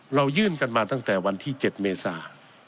เรายื่นกันมาตั้งแต่วันที่๗เมษา